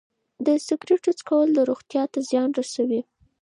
د سګرټو څښل روغتیا ته زیان رسوي.